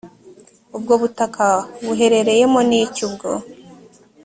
ubwo butaka buherereyemo n’icyo ubwo